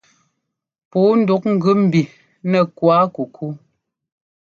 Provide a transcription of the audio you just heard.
Pǔu ndúk gʉ mbi nɛ́ kuákukú.